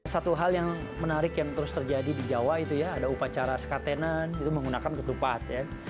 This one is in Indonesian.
satu hal yang menarik yang terus terjadi di jawa itu ya ada upacara sekatenan itu menggunakan ketupat ya